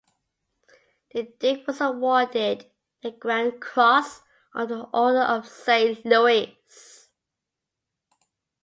The Duke was awarded the Grand Cross of the Order of Saint Louis.